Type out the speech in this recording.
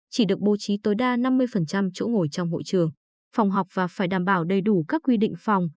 chỉ được bố trí tối đa năm mươi chỗ ngồi trong hội trường phòng học và phải đảm bảo đầy đủ các quy định phòng